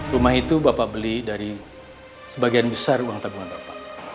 rumah itu bapak beli dari sebagian besar uang tabungan bapak